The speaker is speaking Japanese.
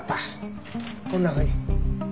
こんなふうに。